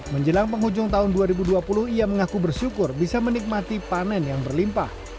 menjelang penghujung tahun dua ribu dua puluh ia mengaku bersyukur bisa menikmati panen yang berlimpah